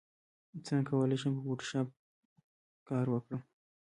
څنګه کولی شم په فوټوشاپ کار وکړم